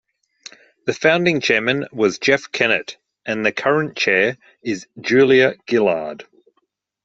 The founding chairman was Jeff Kennett and the current chair is Julia Gillard.